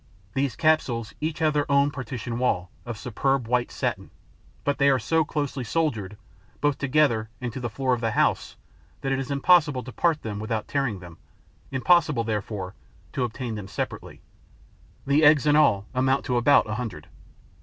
These capsules have each their own partition wall of superb white satin, but they are so closely soldered, both together and to the floor of the house, that it is impossible to part them without tearing them, impossible, therefore, to obtain them separately. The eggs in all amount to about a hundred.